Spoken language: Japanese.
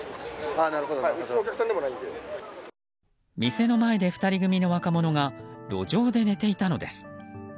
店の前で２人組の若者が路上で寝ていたのです。